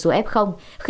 khiến thuốc không được chữa